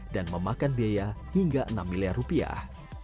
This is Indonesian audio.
dan memakan biaya hingga enam miliar rupiah